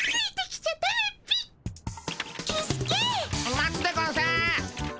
待つでゴンス。